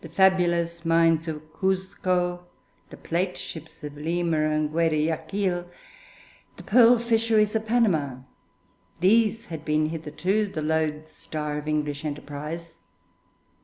The fabulous mines of Cusco, the plate ships of Lima and Guayaquil, the pearl fisheries of Panama, these had been hitherto the loadstar of English enterprise.